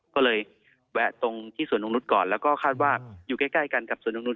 ก็เลยแวะตรงที่สวนตรงนุษย์ก่อนแล้วก็คาดว่าอยู่ใกล้กันกับสวนตรงนุษ